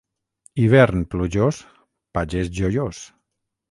Hivern plujós, pagès joiós.